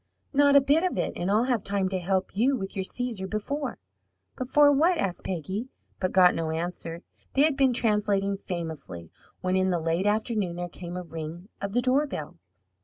"Not a bit of it, and I'll have time to help you with your Caesar before " "Before what?" asked Peggy, but got no answer. They had been translating famously, when, in the late afternoon, there came a ring of the doorbell.